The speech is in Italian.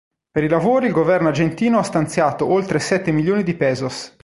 Per i lavori il governo argentino ha stanziato oltre sette milioni di pesos.